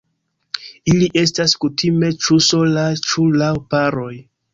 Ili estas kutime ĉu solaj ĉu laŭ paroj.